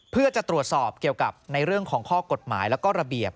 เพื่อจะตรวจสอบเกี่ยวกับในเรื่องของข้อกฎหมายแล้วก็ระเบียบ